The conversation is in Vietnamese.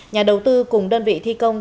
nhà đầu tư cùng đơn vị thi công